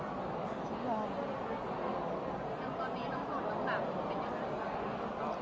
พี่คิดว่าเข้างานทุกครั้งอยู่หรือเปล่า